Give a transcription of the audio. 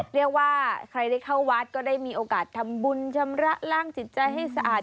เรียกว่าใครได้เข้าวัดก็ได้มีโอกาสทำบุญชำระล้างจิตใจให้สะอาด